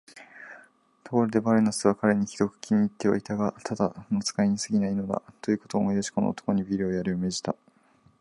ところで、バルナバスは彼にひどく気に入ってはいたが、ただの使いにすぎないのだ、ということを思い出し、この男にビールをやるように命じた。